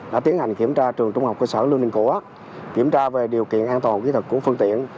đã tiến hành kiểm tra trường trung học cơ sở lương ninh cổ kiểm tra về điều kiện an toàn kỹ thuật của phương tiện